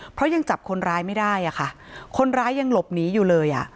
เพราะยังจับคนร้ายไม่ได้อะค่ะคนร้ายยังหลบหนีอยู่เลยอ่ะ